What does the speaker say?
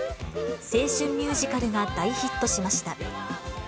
青春ミュージカルが大ヒットしました。